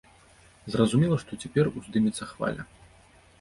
Зразумела, што цяпер уздымецца хваля.